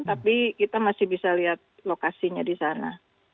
tapi kita masih bisa lihat lokasinya di sana